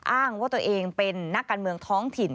อ้างว่าตัวเองเป็นนักการเมืองท้องถิ่น